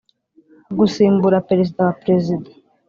Gusimbura Perezida wa prezida